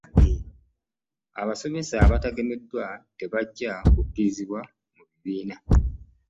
Abasomesa abatagemeddwa tebajja kukkirizibwa mu bibiina.